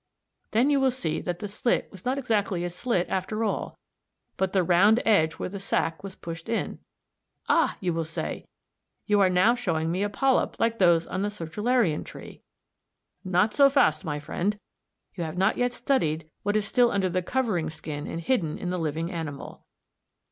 Then you will see that the slit was not exactly a slit after all, but the round edge where the sac was pushed in. Ah! you will say, you are now showing me a polyp like those on the sertularian tree. Not so fast, my friend; you have not yet studied what is still under the covering skin and hidden in the living animal.